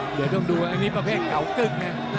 เดี๋ยวต้องดูอันนี้ประเภทเก่ากึ้งไง